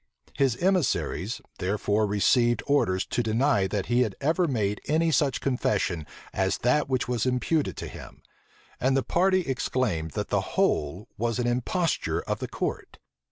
His emissaries, therefore received orders to deny that he had ever made any such confession as that which was imputed to him; and the party exclaimed that the whole was an imposture of the court.